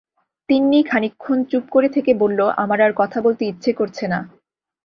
তিন্নি খানিকক্ষণ চুপ করে থেকে বলল, আমার আর কথা বলতে ইচ্ছে করছে না।